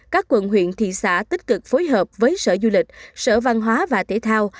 các quận huyện thị xã tích cực phối hợp với sở du lịch sở văn hóa và thể thao